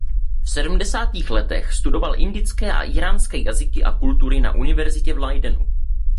V sedmdesátých letech studoval indické a íránské jazyky a kultury na univerzitě v Leidenu.